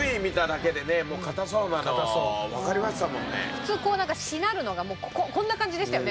普通こうしなるのがこんな感じでしたよね